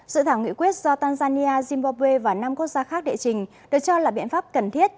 sự thảo nghị quyết do tanzania zimbabwe và năm quốc gia khác địa chỉnh được cho là biện pháp cần thiết